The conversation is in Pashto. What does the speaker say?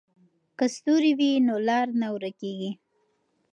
که ستوري وي نو لار نه ورکېږي.